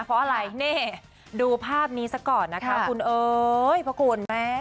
เพราะอะไรนี่ดูภาพนี้ซะก่อนนะคะคุณเอ๋ยพระคุณแม่